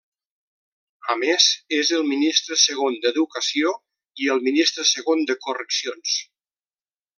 A més, és el Ministre Segon d'Educació i el Ministre Segon de Correccions.